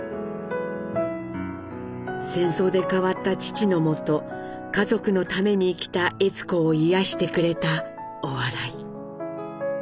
戦争で変わった父のもと家族のために生きた悦子を癒やしてくれたお笑い。